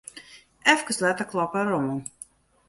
Efkes letter kloppe er oan.